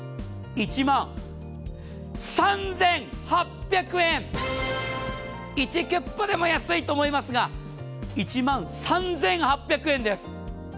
１万９８００円でも安いと思いますが１万３８００円です。